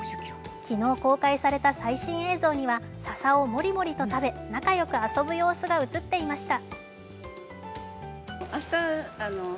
昨日公開された最新映像には、ささをもりもりと食べ、仲良く遊ぶ様子が映っていました。